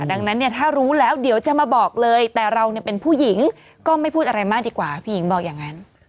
ดังนั้นเนี่ยถ้ารู้แล้วเดี๋ยวจะมาบอกเลยแต่เราเป็นผู้หญิงก็ไม่พูดอะไรมากดีกว่าพี่หญิงบอกอย่างนั้น